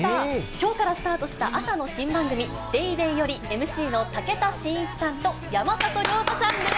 きょうからスタートした朝の新番組、ＤａｙＤａｙ．よりＭＣの武田真一さんと山里亮太さんです。